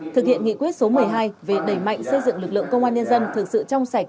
thực hiện nghị quyết số một mươi hai về đẩy mạnh xây dựng lực lượng công an nhân dân thực sự trong sạch